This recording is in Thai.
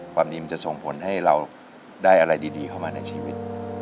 ความดีมันจะส่งผลให้เราได้อะไรดีเข้ามาในชีวิต